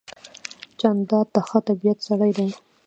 جانداد د ښه طبیعت سړی دی.